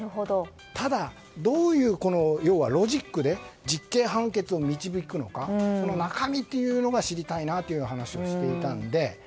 ただ、どういうロジックで実刑判決を導くのか中身というのが知りたいなという話をしていたので。